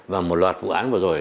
và một loạt vụ án vừa rồi